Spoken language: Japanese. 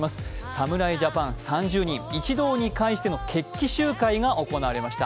侍ジャパン３０人、一堂に会しての決起集会が行われました。